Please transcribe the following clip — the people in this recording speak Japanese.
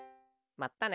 まったね。